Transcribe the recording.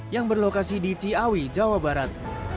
yang berlokasi di ciawi jawa barat